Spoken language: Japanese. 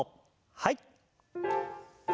はい。